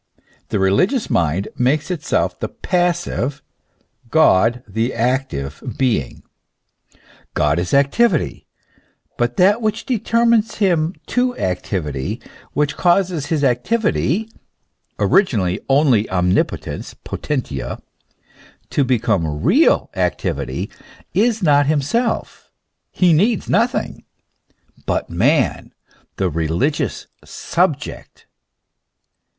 The religious mind makes itself the passive, God the active being. God is activity; but that which determines him to activity, which causes his activity (originally only omnipotence, potentia) to become real activity, is not himself, he needs nothing, but man, the religious sub ject.